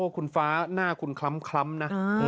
คุณฟ้าหน้าคุณคล้ำนะ